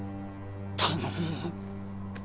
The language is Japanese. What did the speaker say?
頼む。